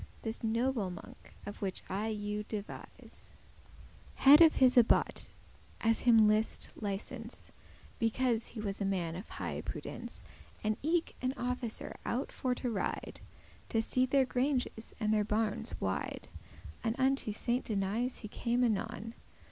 This noble monk, of which I you devise,* *tell Had of his abbot, as him list, licence, (Because he was a man of high prudence, And eke an officer out for to ride, To see their granges and their barnes wide); <5> And unto Saint Denis he came anon.